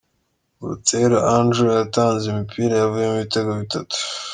Buteera Andrew yatanze imipira yavuyemo ibitego bitatu.